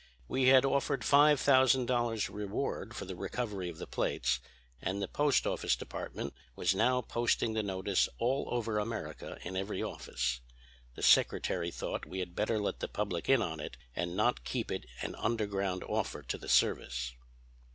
We had offered five thousand dollars reward for the recovery of the plates, and the Post Office Department was now posting the notice all over America in every office. The Secretary thought we had better let the public in on it and not keep it an underground offer to the service.